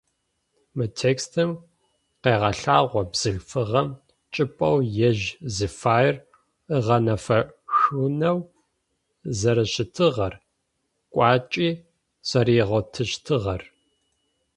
Мы текстым къегъэлъагъо бзылъфыгъэм чӏыпӏэу ежь зыфаер ыгъэнэфэшъунэу зэрэщытыгъэр, кӏуачӏи зэригъотыщтыгъэр.